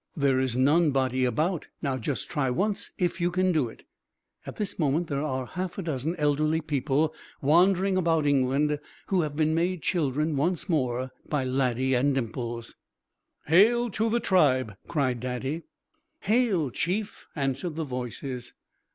There is none body about. Now just try once if you can do it." At this moment there are half a dozen elderly people wandering about England who have been made children once more by Laddie and Dimples. "Hail to the tribe!" cried Daddy. "Hail, Chief!" answered the voices.